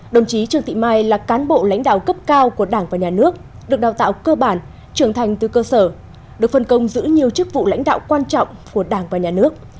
đồng chí trương thị mai là cán bộ lãnh đạo cấp cao của đảng và nhà nước được đào tạo cơ bản trưởng thành từ cơ sở được phân công giữ nhiều chức vụ lãnh đạo quan trọng của đảng và nhà nước